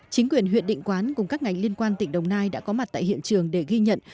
chính quyền huyện định quán cùng các ngành liên quan tỉnh đồng nai đã có mặt tại hiện trường để ghi nhận